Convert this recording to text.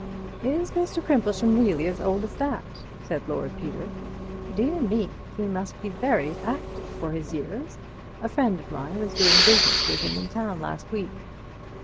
"Is Mr. Crimplesham really as old as that?" said Lord Peter. "Dear me! He must be very active for his years. A friend of mine was doing business with him in town last week."